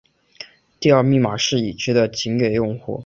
第二密码是已知的仅给用户。